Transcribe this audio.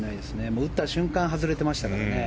打った瞬間外れてましたからね。